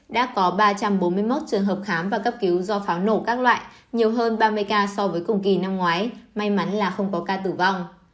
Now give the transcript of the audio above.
đã có ba trăm bốn mươi một trường hợp khám và cấp cứu do pháo nổ các loại nhiều hơn ba mươi ca so với cùng kỳ năm ngoái may mắn là không có ca tử vong